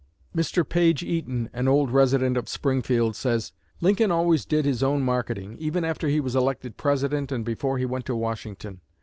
Mr. Page Eaton, an old resident of Springfield, says: "Lincoln always did his own marketing, even after he was elected President and before he went to Washington.